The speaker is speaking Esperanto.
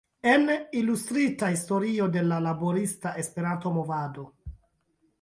En: Ilustrita historio de la Laborista Esperanto-Movado.